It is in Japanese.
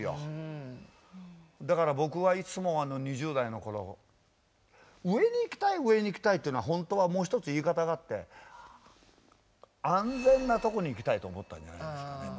だから僕はいつも２０代の頃上に行きたい上に行きたいっていうのはほんとはもう一つ言い方があって安全なところに行きたいと思ったんじゃないでしょうかね。